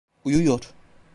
Uyuyor.